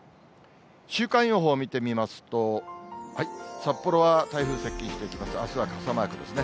週間予報見てみますと、札幌は台風接近していきます、あすは傘マークですね。